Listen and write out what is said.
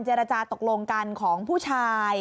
รจาตกลงกันของผู้ชาย